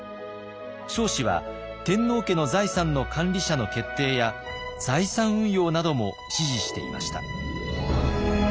彰子は天皇家の財産の管理者の決定や財産運用なども指示していました。